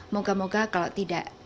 moga moga kalau tidak